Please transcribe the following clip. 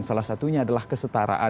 salah satunya adalah kesetaraan